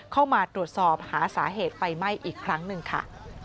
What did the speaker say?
เข้ามาตรวจสอบหาสาเหตุไฟไหม้อีกครั้งหนึ่งค่ะ